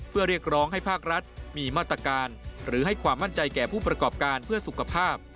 เพื่อเรียกร้องให้ภาครัฐมีมาตรการหรือให้ความมั่นใจแก่ผู้ประกอบการเพื่อสุขภาพ